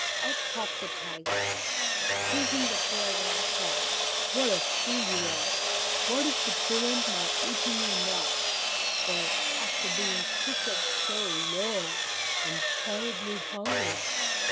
Out popped the tiger, and, seizing the poor man, cried, "What a fool you are! What is to prevent my eating you now, for after being cooped up so long I am just terribly hungry!"